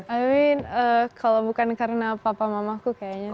i mean kalau bukan karena papa mamaku kayaknya sih